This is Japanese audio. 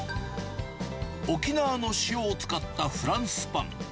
沖縄の塩を使ったフランスパン。